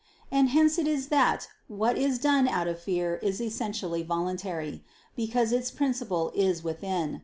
And hence it is that what is done out of fear is essentially voluntary, because its principle is within.